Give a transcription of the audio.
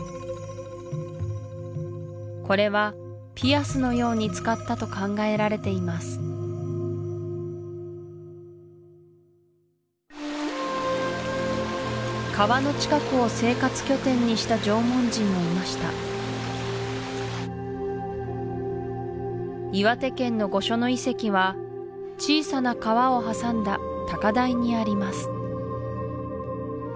これはピアスのように使ったと考えられています川の近くを生活拠点にした縄文人もいました岩手県の御所野遺跡は小さな川を挟んだ高台にあります